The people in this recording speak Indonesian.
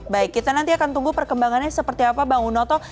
baik kita nanti akan tunggu perkembangannya seperti apa bang unoto